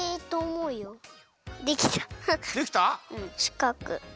うんしかく。